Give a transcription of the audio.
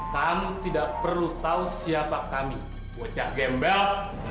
kamu tidak perlu tahu siapa kami pocah gembel